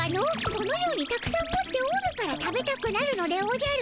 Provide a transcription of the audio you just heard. そのようにたくさん持っておるから食べたくなるのでおじゃる。